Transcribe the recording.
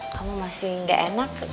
kamu masih gak enak